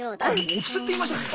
お布施って言いましたね。